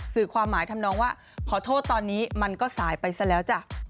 สื่อความหมายทำนองว่าขอโทษตอนนี้มันก็สายไปซะแล้วจ้ะ